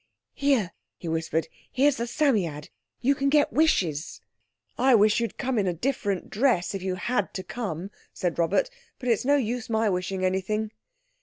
"Here," he whispered; "here's the Psammead; you can get wishes." "I wish you'd come in a different dress, if you had to come," said Robert; "but it's no use my wishing anything."